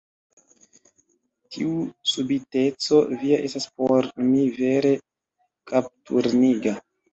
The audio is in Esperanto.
Tiu subiteco via estas por mi vere kapturniga."